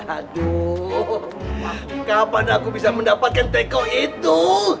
aduh kapan aku bisa mendapatkan teko itu